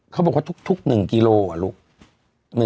เค้าบอกว่าทุก๑กิโลกรัม